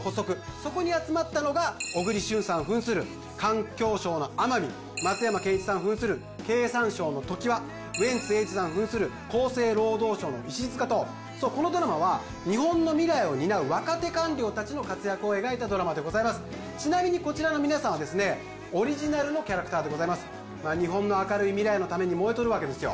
そこに集まったのが小栗旬さん扮する環境省の天海松山ケンイチさん扮する経産省の常盤ウエンツ瑛士さん扮する厚生労働省の石塚とこのドラマは日本の未来を担う若手官僚達の活躍を描いたドラマでございますちなみにこちらの皆さんはですねオリジナルのキャラクターでございます日本の明るい未来のために燃えとるわけですよ